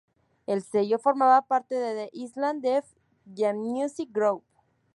El sello forma parte de The Island Def Jam Music Group.